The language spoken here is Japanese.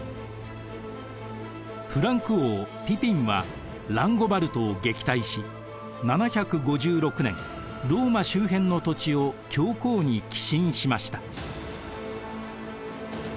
フランク王ピピンはランゴバルドを撃退し７５６年ローマ周辺の土地を教皇に寄進しました。